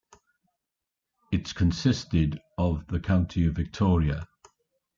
It consisted of the County of Victoria.